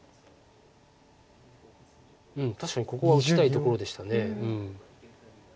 うん確かにここは打ちたいところでした。